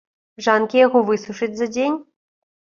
Жанкі яго высушаць за дзень.